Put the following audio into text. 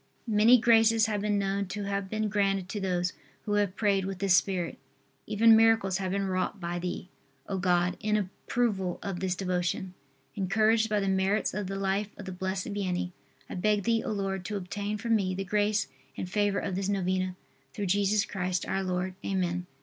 Many graces have been known to have been granted to those who have prayed with this spirit. Even miracles have been wrought by Thee, O God, in approval of this devotion. Encouraged by the merits of the life of the Blessed Vianney, I beg Thee, O Lord, to obtain for me the grace and favor of this novena, through Jesus Christ, our Lord. Amen.